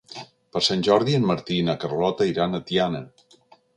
Per Sant Jordi en Martí i na Carlota iran a Tiana.